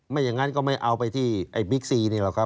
ไม่อย่างนั้นก็ไม่เอาไปที่บริกซีเลยครับ